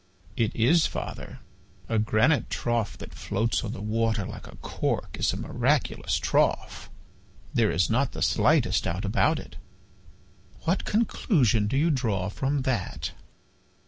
"It is, father. A granite trough that floats on the water like a cork is a miraculous trough. There is not the slightest doubt about it. What conclusion do you draw from that?"